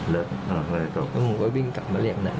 แล้วมันก็วิ่งกลับมาเรียกนะฮะ